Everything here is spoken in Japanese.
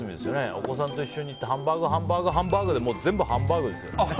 お子さんと一緒に行ってハンバーグ、ハンバーグハンバーグで全部ハンバーグですよ。